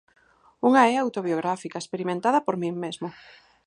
Unha é autobiográfica, experimentada por min mesmo.